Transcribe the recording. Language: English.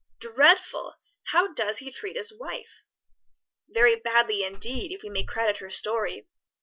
"Dreadful! How does he treat his wife?" "Very badly indeed, if we may credit her story.